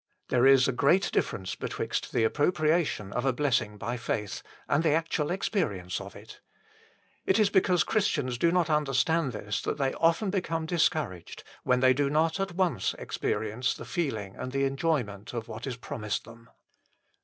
There is a great difference betwixt the appropriation of a blessing by faith and the actual experience of it. It is because Christians do not understand this that they often become discouraged, when they do not at once experi ence the feeling and the enjoyment of what is promised them.